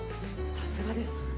さすがです。